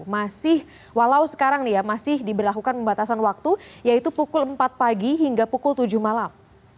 masih walau sekarang nih ya masih diberlakukan pembatasan waktu yaitu pukul empat pagi hingga pukul tujuh malam